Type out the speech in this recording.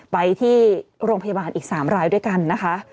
ไปที่โรงพยาบาลอีก๓รายด้วยกันนะคะ